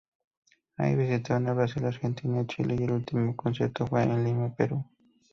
Ahí visitaron a Brasil, Argentina, Chile y el último concierto fue en Lima, Perú.